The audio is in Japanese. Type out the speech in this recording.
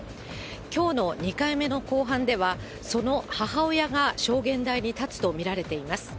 きょうの２回目の公判では、その母親が証言台に立つと見られています。